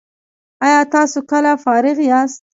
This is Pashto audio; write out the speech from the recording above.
ایا تاسو کله فارغ یاست؟